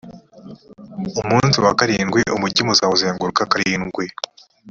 umunsi wa karindwi, umugi muzawuzenguruka karindwi.